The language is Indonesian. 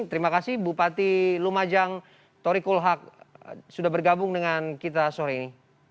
terima kasih bupati lumajang tori kulhak sudah bergabung dengan kita sore ini